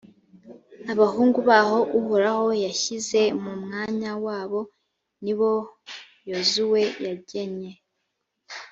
abahungu babo uhoraho yashyize mu mwanya wabo, ni bo yozuwe yagenye